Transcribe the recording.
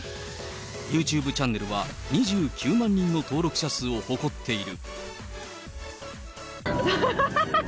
ユーチューブチャンネルは２９万人の登録者数を誇っている。